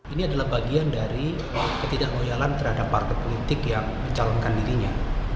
ini adalah bagian dari ketidakgoyalan terhadap partai politik yang mencalonkan dirinya